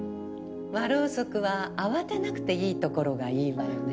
和ろうそくは慌てなくていいところがいいわよね。